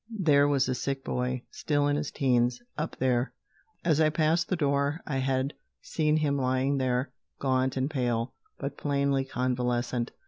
There was a sick boy, still in his teens, up there. As I passed the door I had seen him lying there, gaunt and pale, but plainly convalescent.